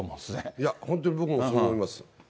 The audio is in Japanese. いや、本当に僕もそう思います。